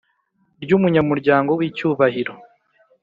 Ry umunyamuryango w icyubahiro